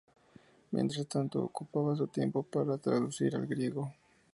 Mientras tanto, ocupaba su tiempo para traducir al griego.